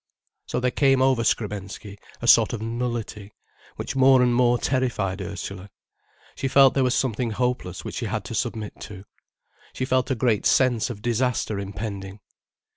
So there came over Skrebensky a sort of nullity, which more and more terrified Ursula. She felt there was something hopeless which she had to submit to. She felt a great sense of disaster impending.